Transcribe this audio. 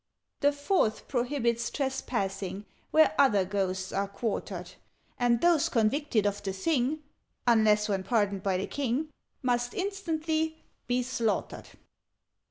"The Fourth prohibits trespassing Where other Ghosts are quartered: And those convicted of the thing (Unless when pardoned by the King) Must instantly be slaughtered.